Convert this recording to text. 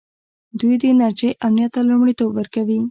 دوی د انرژۍ امنیت ته لومړیتوب ورکوي.